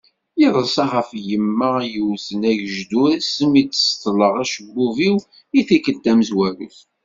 Yeḍsa ɣef yemma i yewwten agejdur asmi d-ṣeṭleɣ acebbub-iw i tikkelt tamezwarut.